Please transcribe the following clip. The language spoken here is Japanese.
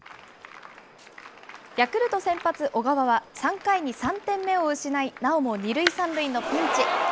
ヤクルト先発、小川は、３回に３点目を失い、なおも２塁３塁のピンチ。